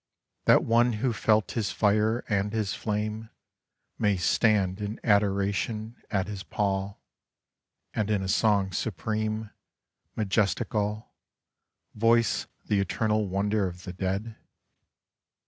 That one who felt his fire and his flame May stand in adoration at his pall. And in a song supreme, majestical. Voice the eternal wonder of the dead?